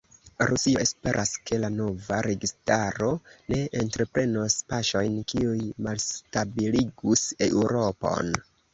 Rusio esperas, ke la nova registaro ne entreprenos paŝojn, kiuj malstabiligus Eŭropon.